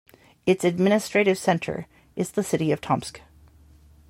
Its administrative center is the city of Tomsk.